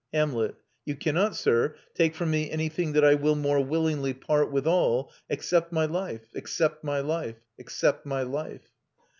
Hamlet: You cannot, sir, take from me anything that I will more willingly part withal, except my life, except my life, except my life."